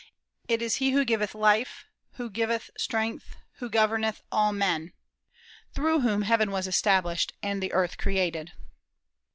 It is he who giveth life, who giveth strength, who governeth all men; through whom heaven was established, and the earth created."